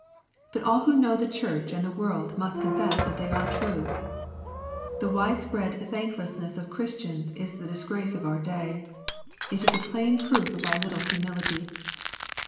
But all who know the church and the world must con fess that they are true. The wide spread thanklessness of Christians is the disgrace of our day. It is a plain proof of our little humility.